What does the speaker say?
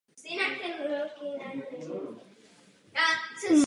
Do večera byly nalezeny další dvě oběti.